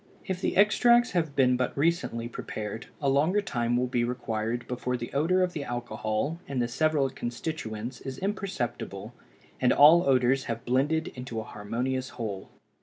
If the extracts have been but recently prepared, a longer time will be required before the odor of the alcohol and the several constituents is imperceptible and all odors have blended into a harmonious whole.